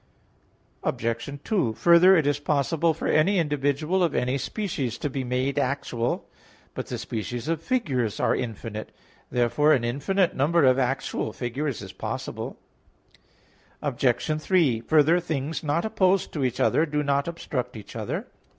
Obj. 2: Further, it is possible for any individual of any species to be made actual. But the species of figures are infinite. Therefore an infinite number of actual figures is possible. Obj. 3: Further, things not opposed to each other do not obstruct each other.